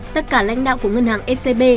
tất cả lãnh đạo của ngân hàng scb